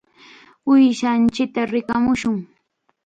Uushanchikta rikamushun.